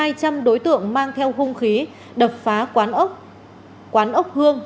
liên quan đến vụ hơn hai trăm linh đối tượng mang theo hung khí đập phá quán ốc hương